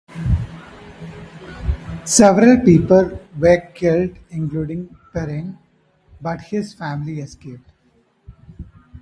Several people were killed, including Perrine, but his family escaped.